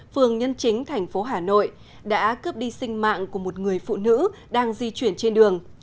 phường nhân chính thành phố hà nội đã cướp đi sinh mạng của một người phụ nữ đang di chuyển trên đường